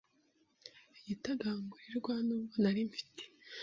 igitagangurirwa. Nubwo nari mfite